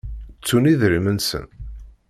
Ttun idrimen-nsen?